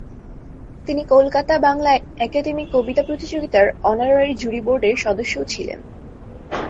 তিনি কলকাতা বাংলা একাডেমী কবিতা প্রতিযোগিতার অনারারি জুরি বোর্ডের সদস্যও ছিলেন।